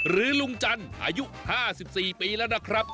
ลุงจันทร์อายุ๕๔ปีแล้วนะครับ